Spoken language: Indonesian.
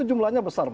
jumlahnya besar mas